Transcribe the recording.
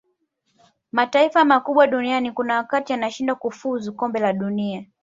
mataifa makubwa duniani kuna wakati yanashindwa kufuzu kombe la dunia